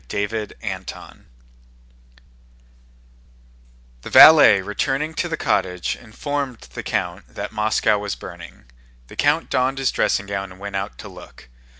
CHAPTER XXXI The valet, returning to the cottage, informed the count that Moscow was burning. The count donned his dressing gown and went out to look.